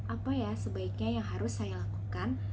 apa ya sebaiknya yang harus saya lakukan